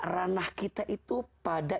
ranah kita itu pada